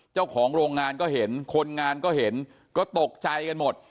เจ้าของโรงงานก็เห็นคนงานก็เห็นก็ตกใจกันหมด